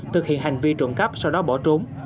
thực hiện hành vi trộn cấp sau đó bỏ trốn